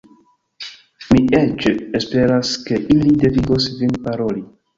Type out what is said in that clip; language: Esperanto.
Mi eĉ esperas, ke ili devigos vin paroli.